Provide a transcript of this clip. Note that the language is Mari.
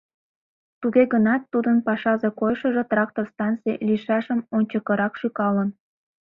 Туге гынат тудын пашазе койышыжо трактор станций лийшашым ончыкырак шӱкалын.